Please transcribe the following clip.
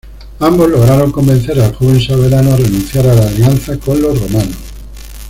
Ambos lograron convencer al joven soberano a renunciar a la alianza con los romanos.